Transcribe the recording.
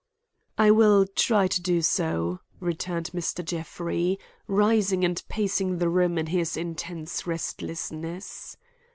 "I will try to do so," returned Mr. Jeffrey, rising and pacing the room in his intense restlessness.